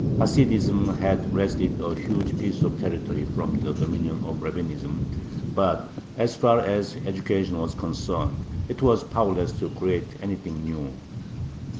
Hasidism had wrested a huge piece of territory from the dominion of Rabbinism, but, as far as education was concerned, it was powerless to create anything new.